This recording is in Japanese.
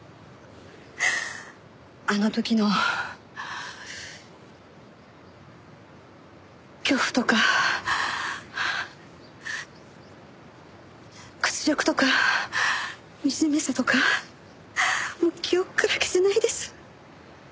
あの時の恐怖とか屈辱とか惨めさとかもう記憶から消せないです。